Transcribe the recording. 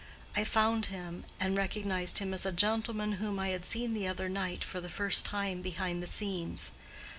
I found him, and recognized him as a gentleman whom I had seen the other night for the first time behind the scenes.